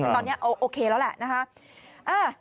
ตอนนี้โอเคแล้วแหละนะคะ